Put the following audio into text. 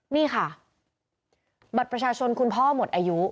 นี่ค่ะบัตรประชาชนคุณพ่อหมดอายุ